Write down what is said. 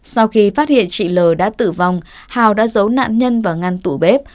sau khi phát hiện chị lờ đã tử vong hào đã giấu nạn nhân vào ngăn tủ bếp